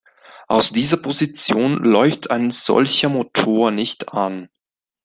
Aus dieser Position läuft ein solcher Motor nicht an.